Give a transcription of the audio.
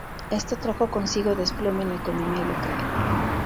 Esto trajo consigo desplome en la economía local.